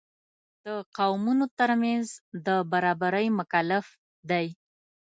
د قومونو تر منځ د برابرۍ مکلف دی.